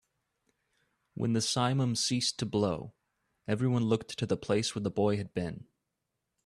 When the simum ceased to blow, everyone looked to the place where the boy had been.